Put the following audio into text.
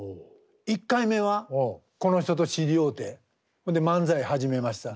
１回目はこの人と知り合うてで漫才始めました。